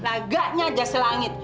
lagaknya aja selangit